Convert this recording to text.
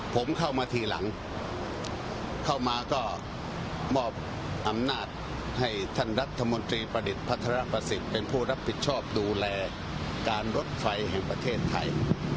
ผมเข้ามาทีหลังเข้ามาก็มอบอำนาจให้ท่านรัฐมนตรีประดิษฐ์พัทรประสิทธิ์เป็นผู้รับผิดชอบดูแลการรถไฟแห่งประเทศไทย